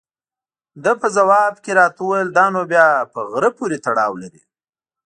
ده په ځواب کې راته وویل: دا نو بیا په غره پورې تړاو لري.